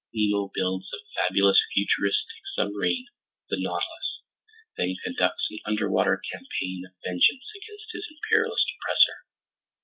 Nemo builds a fabulous futuristic submarine, the Nautilus, then conducts an underwater campaign of vengeance against his imperialist oppressor.